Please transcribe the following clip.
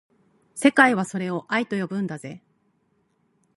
世界はそれを愛と呼ぶんだぜ